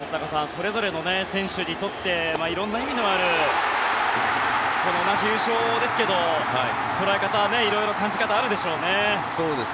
松坂さんそれぞれの選手にとって色んな意味のある同じ優勝ですけど捉え方、色々感じ方はあるでしょうね。